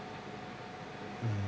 うん。